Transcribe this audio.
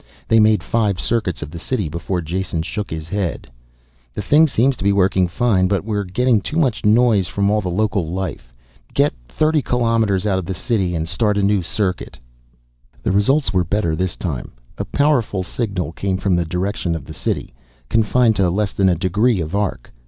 They made five circuits of the city before Jason shook his head. "The thing seems to be working fine, but we're getting too much noise from all the local life. Get thirty kilometers out from the city and start a new circuit." The results were better this time. A powerful signal came from the direction of the city, confined to less than a degree of arc.